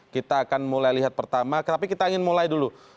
kita akan mulai lihat pertama tapi kita ingin mulai dulu